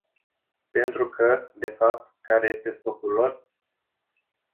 Pentru că, de fapt, care este scopul lor?